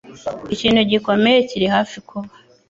Ikintu gikomeye kiri hafi kuba.